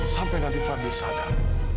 sampai nanti fadil sadar